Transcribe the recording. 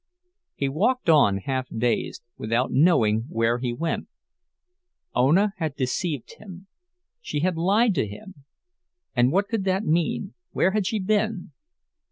He walked on half dazed, without knowing where he went. Ona had deceived him! She had lied to him! And what could it mean—where had she been?